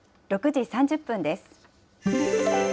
６時３０分です。